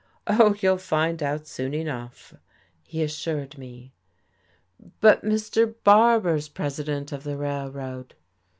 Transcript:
"Oh, you'll find out soon enough," he assured me. "But Mr. Barbour's president of the Railroad."